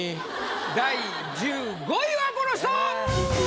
第１５位はこの人！